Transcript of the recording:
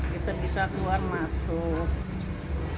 kita bisa keluar masuk